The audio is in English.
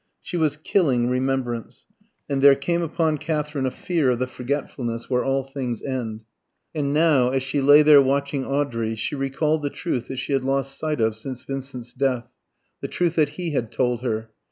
She was killing remembrance; and there came upon Katherine a fear of the forgetfulness where all things end. And now, as she lay there watching Audrey, she recalled the truth that she had lost sight of since Vincent's death the truth that he had told her.